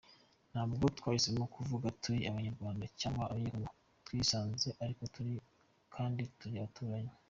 Ntabwo twahisemo kuvuka turi Abanyarwanda cyangwa Abanyekongo, twisanze ariko turi kandi turi abaturanyi.